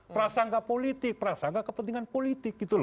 prasangka politik prasangka kepentingan politik